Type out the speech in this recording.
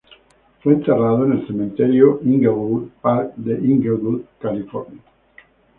Fue enterrado en el Cementerio Inglewood Park de Inglewood, California.